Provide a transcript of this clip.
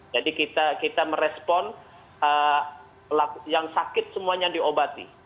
jadi kita merespon yang sakit semuanya diobati